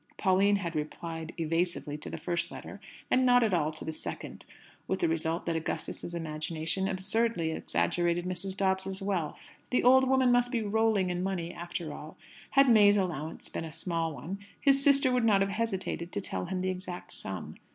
Pauline had replied evasively to the first letter, and not at all to the second, with the result that Augustus's imagination absurdly exaggerated Mrs. Dobbs's wealth. The old woman must be rolling in money after all! Had May's allowance been a small one, his sister would not have hesitated to tell him the exact sum.